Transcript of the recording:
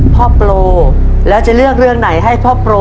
โปรแล้วจะเลือกเรื่องไหนให้พ่อโปร